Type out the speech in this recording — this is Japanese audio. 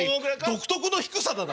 独特の低さだな。